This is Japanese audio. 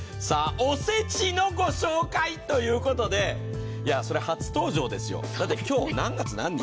おせちのご紹介ということで、初登場ですよ、今日何月何日？